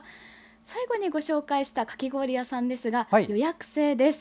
最後にご紹介した、かき氷屋さん予約制です。